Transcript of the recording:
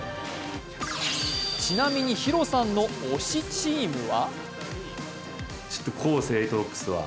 ちなみに、ＨＩＲＯさんの推しチームは？